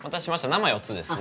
生４つですね。